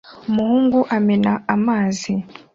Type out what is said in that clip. Umuhungu amena amazi